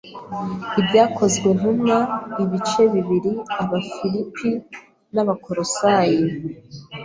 Ibyakozwentumwa ibice bibiri Abafilipi n’ Abakolosayi